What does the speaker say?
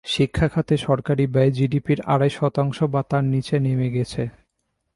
শিক্ষা খাতে সরকারি ব্যয় জিডিপির আড়াই শতাংশ বা তার নিচে নেমে গেছে।